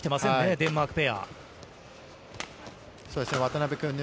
デンマークペア。